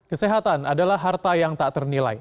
kesehatan adalah harta yang tak ternilai